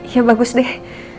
ya bagus deh